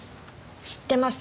知ってます。